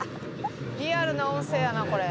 「リアルな音声やなこれ」